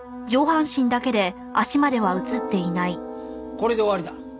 これで終わりだ。